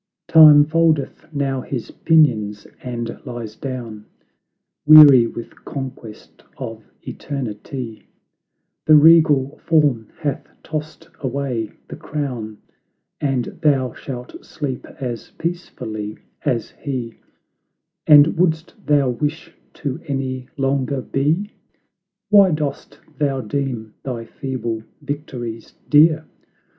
"Time foldeth now his pinions, and lies down, Weary with conquest of eternity; The regal form hath tossed away the crown, And thou shalt sleep as peacefully as he: And wouldst thou wish to any longer be? Why dost thou deem thy feeble victories dear?